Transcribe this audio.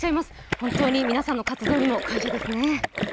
本当に皆さんの活動にも感謝ですね。